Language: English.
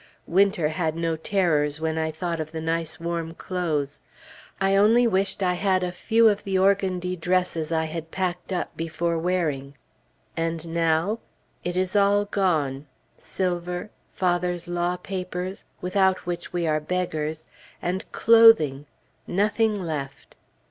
Winter had no terrors when I thought of the nice warm clothes; I only wished I had a few of the organdie dresses I had packed up before wearing. And now? It is all gone, silver, father's law papers, without which we are beggars, and clothing! Nothing left!